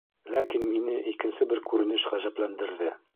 Ләкин мине икенсе бер күренеш ғәжәпләндерҙе.